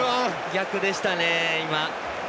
逆でしたね、今。